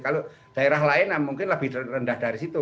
kalau daerah lain mungkin lebih rendah dari situ